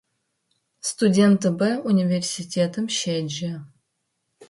Студентыбэ унивэрситэтым щеджэ.